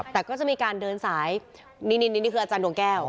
แต่ก็จะมีการเดินสายนี่คืออาจารย์ดวงแก้ว